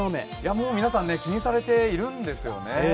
もう皆さん、気にされてるんですよね。